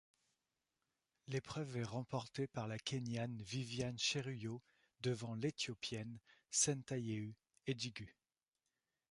L'épreuve est remportée par la Kényane Vivian Cheruiyot devant l'Éthiopienne Sentayehu Ejigu.